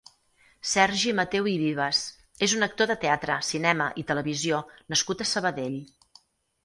Sergi Mateu i Vives és un actor de teatre, cinema i televisió nascut a Sabadell.